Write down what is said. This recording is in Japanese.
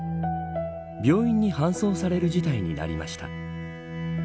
病院に搬送される事態になりました。